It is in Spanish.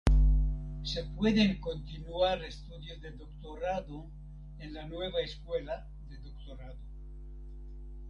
Se pueden continuar estudios de doctorado en la nueva escuela de doctorado.